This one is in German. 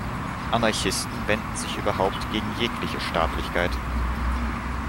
Anarchisten wenden sich überhaupt gegen jegliche Staatlichkeit.